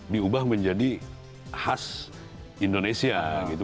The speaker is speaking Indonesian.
diubah menjadi khas indonesia gitu